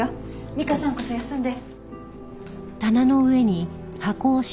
ミカさんこそ休んで。